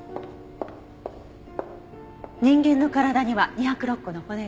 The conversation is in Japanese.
人間の体には２０６個の骨がある。